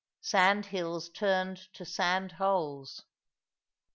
SANDHILLS TURNED TO SAND HOLES.